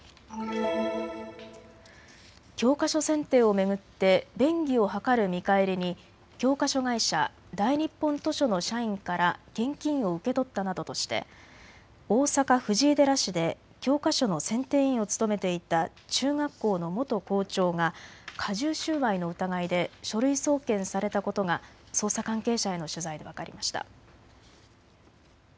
教科書選定を巡って便宜を図る見返りに教科書会社、大日本図書の社員から現金を受け取ったなどとして大阪藤井寺市で教科書の選定委員を務めていた中学校の元校長が加重収賄の疑いで書類送検されたことが捜査関係者への取材で分かりました。